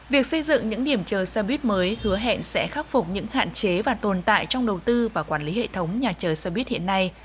việc xây dựng những điểm chờ xe buýt mới hứa hẹn sẽ khắc phục những hạn chế và tồn tại trong đầu tư và quản lý hệ thống nhà chờ xe buýt hiện nay